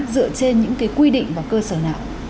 dựa trên những cái quy định và cơ sở nào